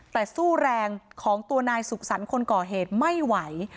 แต่สู้แรงของตัวนายสุขสรรค์คนก่อเหตุไม่ไหว